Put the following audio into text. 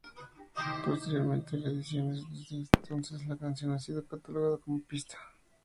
Posteriormente reediciones desde entonces, la canción ha sido catalogado como una pista.